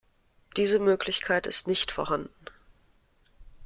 Diese Möglichkeit ist nicht vorhanden.